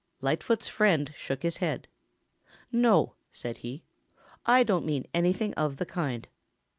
Lightfoot's friend shook his head. "No," said he, "I don't mean anything of the kind.